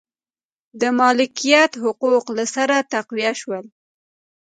د مالکیت حقوق له سره تقویه شول.